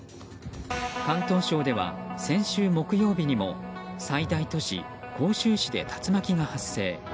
広東省では先週木曜日にも最大都市・広州市で竜巻が発生。